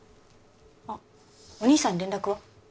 あっお義兄さんに連絡は？